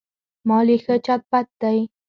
مال یې ښه چت پت دی.